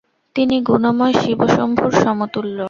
তিনি গুণময় শিবশম্ভুর সমতুল্য।